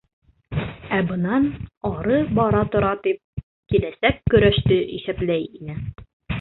Ә бынан ары бара-тора... — тип киләсәк көрәште иҫәпләй ине.